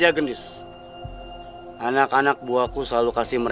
jawab dinda naungulan